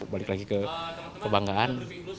balik lagi ke kebanggaan